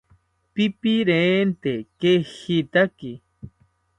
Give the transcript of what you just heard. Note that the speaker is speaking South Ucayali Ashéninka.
¡Pipirente kejitaki!